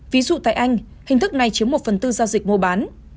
ví dụ tại anh hình thức này chiếm một phần tư giao dịch mua bán